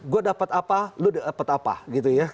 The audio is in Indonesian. gue dapat apa lo dapat apa gitu ya